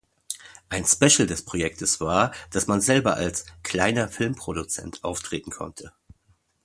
Ein „Special“ des Projektes war, dass man selber als „kleiner Filmproduzent“ auftreten konnte.